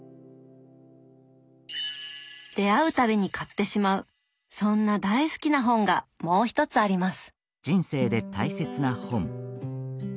出会う度に買ってしまうそんな大好きな本がもう一つあります。